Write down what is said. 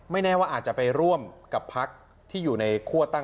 ไม่แน่ว่าอาจจะไปร่วมกับพลักษณ์ที่อยู่ในคัวตรรัฐบาลนะ